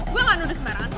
gue gak nuduh sembarangan kok